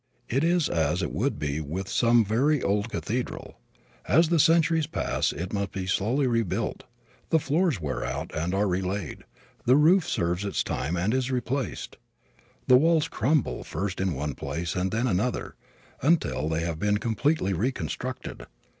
It is as it would be with some very old cathedral. As the centuries pass it must be slowly rebuilt. The floors wear out and are relaid. The roof serves its time and is replaced. The walls crumble first in one place and then another until they have been completely reconstructed.